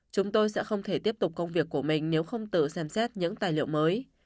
chúng tôi sẽ không thể tiếp tục công việc của mình nếu không tự xem xét những tài liệu mới